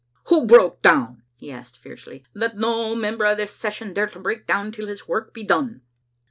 "Who broke down?" he asked fiercely. "Let no member of this Session dare to break down till his work be done.